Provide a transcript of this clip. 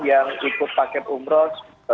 yang ikut paket umroh